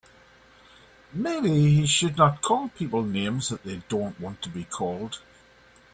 Maybe he should not call people names that they don't want to be called.